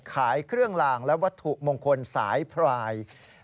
ขายเครื่องลางและวัตถุมงคลสายพราย